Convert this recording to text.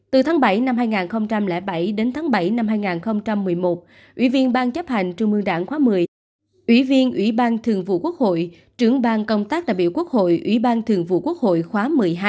từ tháng bảy năm hai nghìn bảy đến tháng bảy năm hai nghìn một mươi một ủy viên ban chấp hành trung mương đảng khóa một mươi ủy viên ủy ban thường vụ quốc hội trưởng bang công tác đại biểu quốc hội ủy ban thường vụ quốc hội khóa một mươi hai